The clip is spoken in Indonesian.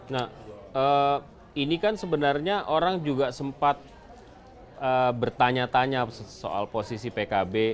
nah ini kan sebenarnya orang juga sempat bertanya tanya soal posisi pkb